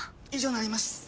以上になります！